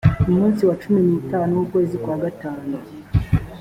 umunsi wa cumi n itanu w ukwezi kwa gatanu